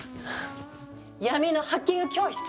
闇のハッキング教室。